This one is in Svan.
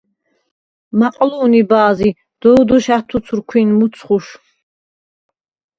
მაყლუ̄ნი ბა̄ზი, “დოვ დეშ ა̈თუ̈ცვრ ქვინ მჷცხუშ”.